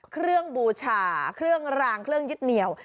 บูชาเครื่องรางเครื่องยึดเหนียว